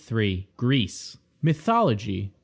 GREECE. Mythology.